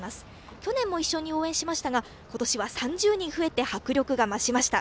去年も一緒に応援しましたが今年は３０人増えて迫力が増しました。